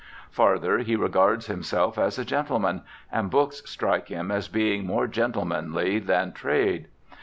Farther, he regards himself as a gentleman, and books strike him as being more gentlemanly than trade.